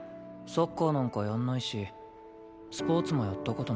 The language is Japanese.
サッカーなんかやんないしスポーツもやった事ない。